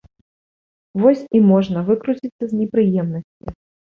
Вось і можна выкруціцца з непрыемнасці.